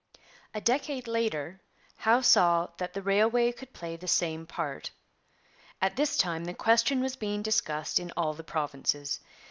A decade later Howe saw that the railway could play the same part. At this time the question was being discussed in all the provinces.